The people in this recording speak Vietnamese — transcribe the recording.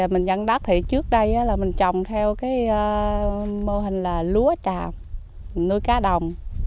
mình dẫn đất thì trước đây là mình trồng theo cái mô hình là lúa trào nuôi cá đồng